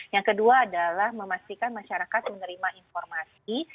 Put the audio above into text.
yang kedua adalah memastikan masyarakat menerima informasi